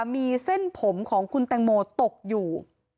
มีเส้นผมของคุณแตงโมตกอยู่